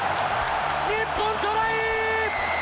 日本トライ！